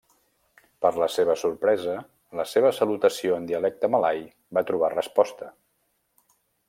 Per la seva sorpresa, la seva salutació en dialecte malai va trobar resposta.